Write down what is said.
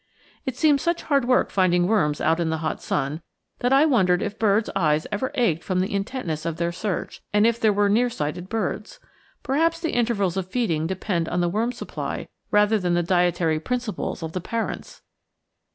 It seemed such hard work finding worms out in the hot sun that I wondered if birds' eyes ever ached from the intentness of their search, and if there were near sighted birds. Perhaps the intervals of feeding depend on the worm supply rather than the dietary principles of the parents.